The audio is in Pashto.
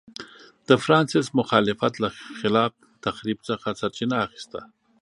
د فرانسیس مخالفت له خلاق تخریب څخه سرچینه اخیسته.